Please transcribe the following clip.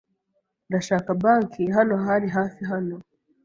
Ndashaka banki .Hano hari hafi hano?